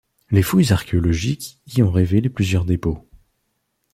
Les fouilles archéologiques y ont révélé plusieurs dépôts.